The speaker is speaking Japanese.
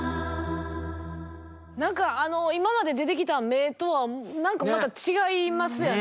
何かあの今まで出てきた目とは何かまた違いますよね。